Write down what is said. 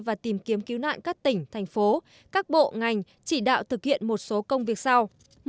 và tìm kiếm cứu nạn các tỉnh thành phố các bộ ngành chỉ đạo thực hiện một số công việc sau